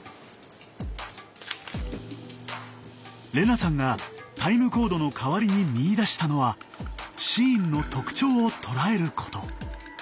玲那さんがタイムコードの代わりに見いだしたのはシーンの特徴を捉えること。